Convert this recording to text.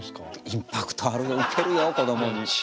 インパクトあるよウケるよこどもに。